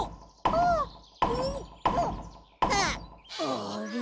あれ？